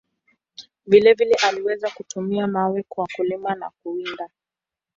Vile vile, aliweza kutumia mawe kwa kulima na kuwinda.